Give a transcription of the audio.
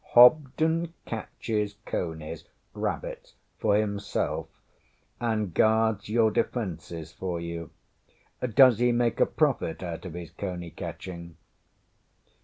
Hobden catches conies rabbits for himself, and guards your defences for you. Does he make a profit out of his coney catching?